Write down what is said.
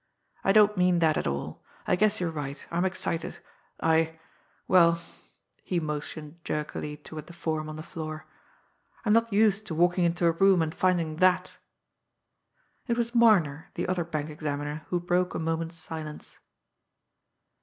"I don't mean that at all. I guess you're right I'm excited. I well" he motioned jerkily toward the form on the floor "I'm not used to walking into a room and finding that." It was Marner, the other bank examiner, who broke a moment's silence.